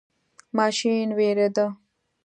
ماشین ویریده.